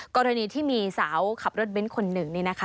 กรณีที่มีสาวขับรถเบ้นคนหนึ่ง